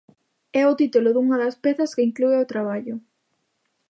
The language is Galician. É o título dunha das pezas que inclúe o traballo.